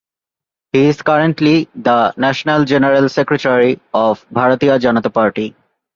He is currently the national General secretary of Bharatiya Janata Party.